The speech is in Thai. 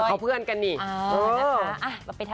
เพราะเพื่อนกันเงี้ย